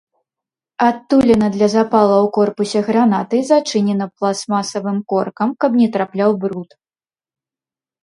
Адтуліна для запала ў корпусе гранаты зачынена пластмасавым коркам, каб не трапляў бруд.